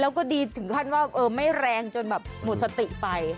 แล้วก็ดีถึงขั้นว่าไม่แรงจนแบบหมดสติไป